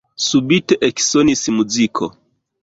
Subite eksonis muziko!